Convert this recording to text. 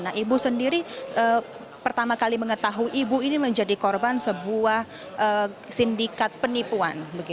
nah ibu sendiri pertama kali mengetahui ibu ini menjadi korban sebuah sindikat penipuan